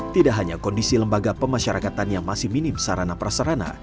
tidak hanya kondisi lembaga pemasyarakatan yang masih minim sarana prasarana